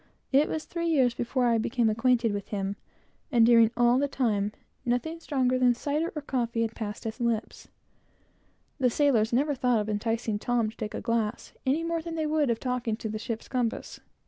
It was three years before I knew him, and during all that time, nothing stronger than cider or coffee had passed his lips. The sailors never thought of enticing Tom to take a glass, any more than they would of talking to the ship's compass.